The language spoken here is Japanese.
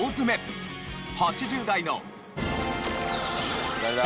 ８０代の。